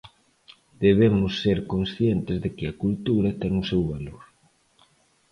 Debemos ser conscientes de que a cultura ten o seu valor.